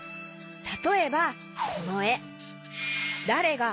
たとえばこのえ「だれが」